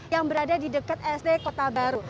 yang berada di dekat sd kota baru